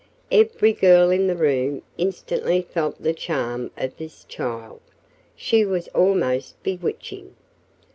Every girl in the room instantly felt the charm of this child. She was almost bewitching.